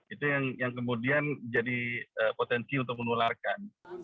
itu yang kemudian jadi potensi untuk menularkan